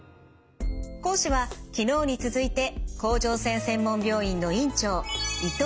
講師は昨日に続いて甲状腺専門病院の院長